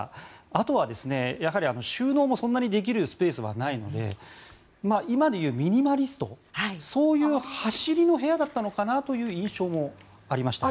あとはやはり収納もそんなにできるスペースはないので今でいうミニマリストそういう走りの部屋だったのかなという印象もありました。